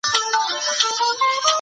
د وفادارۍ په بدل کي حق ورکړئ.